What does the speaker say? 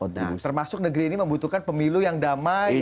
termasuk negeri ini membutuhkan pemilu yang damai